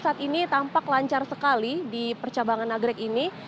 saat ini tampak lancar sekali di percabangan nagrek ini